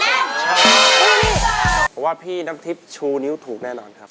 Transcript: ผมว่าพี่นักทริปชูนิ้วถูกแน่นอนครับ